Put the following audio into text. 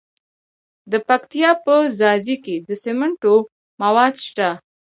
د پکتیا په ځاځي کې د سمنټو مواد شته.